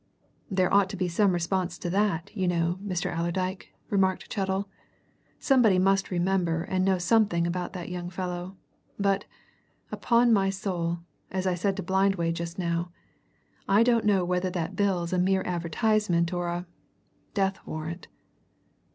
"There ought to be some response to that, you know, Mr. Allerdyke," remarked Chettle. "Somebody must remember and know something about that young fellow. But, upon my soul, as I said to Blindway just now, I don't know whether that bill's a mere advertisement or a death warrant!"